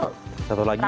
satu lagi murah lagi